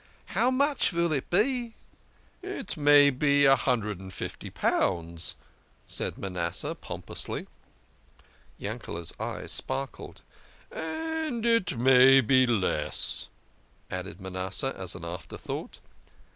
" How much vill it be ?"" It may be a hundred and fifty pounds," said Manasseh pompously. Yankee's eyes sparkled. " And it may be less," added Manasseh as an after thought.